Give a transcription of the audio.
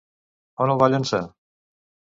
On el va llançar?